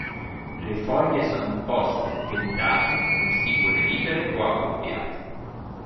Le foglie sono opposte, dentate, con stipole libere o accoppiate.